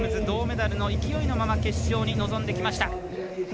銅メダルの勢いのまま決勝に臨んできました。